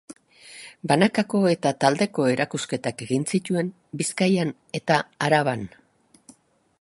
Banakako eta taldeko erakusketak egin zituen Bizkaian eta Araban.